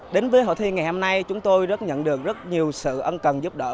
đến với hội thi ngày hôm nay chúng tôi rất nhận được rất nhiều sự ân cần giúp đỡ